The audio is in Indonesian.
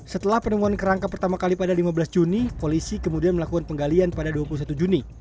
setelah penemuan kerangka pertama kali pada lima belas juni polisi kemudian melakukan penggalian pada dua puluh satu juni